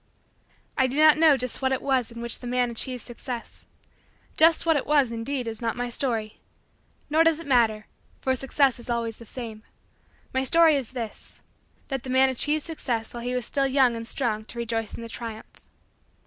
I do not know just what it was in which the man achieved Success. Just what it was, indeed, is not my story; nor does it matter for Success is always the same. My story is this: that the man achieved Success while he was still young and strong to rejoice in the triumph.